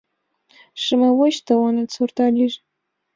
Шымавуч тыланет сорта лийже!